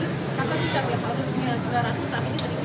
sos tetap segera tetap terjalan